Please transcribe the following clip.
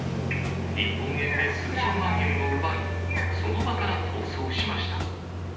日本円で数十万円を奪い、その場から逃走しました。